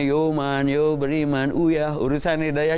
yo man yo beriman uyah urusan hidayah